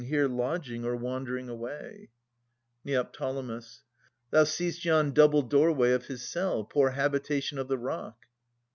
Here lodging, or wandering away ? 159 189] Philodetes 273 Neo. Thou seest yon double doorway of his cell, Poor habitation of the rock.